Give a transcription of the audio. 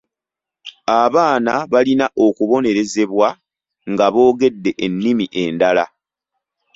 Abaana balina okubonerezebwa nga boogedde ennimi endala.